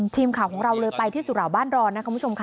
ทีมข่าวของเราเลยไปที่สุเหล่าบ้านรอนนะคุณผู้ชมค่ะ